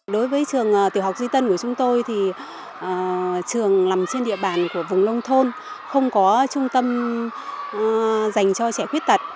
đối với trường tiểu học duy tân của chúng tôi thì trường nằm trên địa bàn của vùng nông thôn không có trung tâm dành cho trẻ khuyết tật